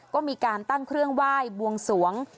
ก็มีการตั้งเครื่องไหว้บวงสวง